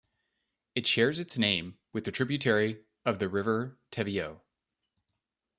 It shares its name with a tributary of the River Teviot.